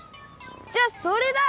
じゃあそれだ！